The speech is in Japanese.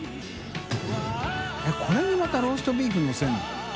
┐これにまたローストビーフのせるの？